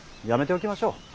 やめておきましょう。